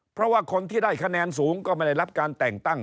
เพราะว่าคนที่ได้คะแนนสูงก็ไม่ได้รับการแต่งตั้ง